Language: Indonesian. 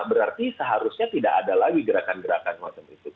berarti seharusnya tidak ada lagi gerakan gerakan semacam itu